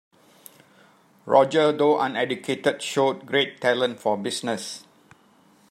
Roger, though uneducated, showed great talent for business.